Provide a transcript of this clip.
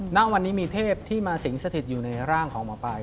ณวันนี้มีเทพที่มาสิงสถิตอยู่ในร่างของหมอปลาย